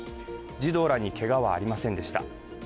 児童らに、けがはありませんでした